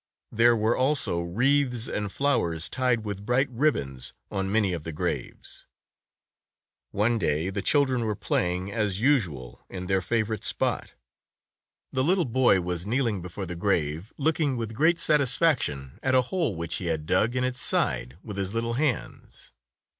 There were also wreaths and flowers tied with bright ribbons on many of the graves. One day the children were playing as usual in their favorite spot. The little boy 94 Tales of Modern Germany was kneeling before the grave, looking with great satisfaction at a hole which he had dug in its side with his little hands.